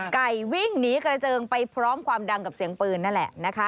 วิ่งหนีกระเจิงไปพร้อมความดังกับเสียงปืนนั่นแหละนะคะ